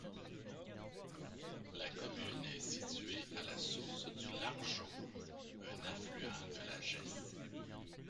La commune est située à la source du Larjo un affluent de la Gesse.